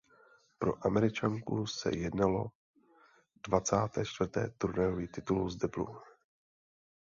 Pro Američanku se jednalo dvacáté čtvrté turnajový titul z deblu..